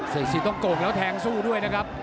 เสียจังหวะสวยเถอะต้องโกกแล้วแทงสู้ด้วยน่ะครับ